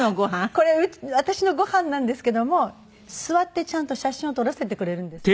これ私のご飯なんですけども座ってちゃんと写真を撮らせてくれるんですね。